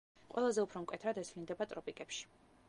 ყველაზე უფრო მკვეთრად ეს ვლინდება ტროპიკებში.